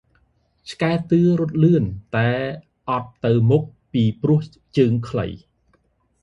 ឆ្កែតឿរត់លឿន តែអត់ទៅមុខ ពិព្រោះជើងខ្លី!